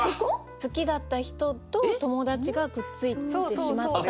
好きだった人と友達がくっついてしまった。